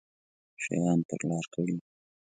شیان پر لار کړي وو.